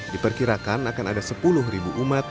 diperkirakan akan ada sepuluh umat